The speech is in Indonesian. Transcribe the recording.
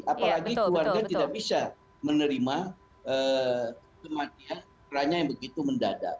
apalagi keluarga tidak bisa menerima kematian ranya yang begitu mendadak